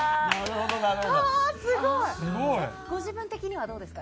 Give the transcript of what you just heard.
ご自分的にはどうですか？